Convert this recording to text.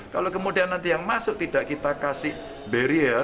kalau kemudian nanti yang masuk tidak kita kasih barrier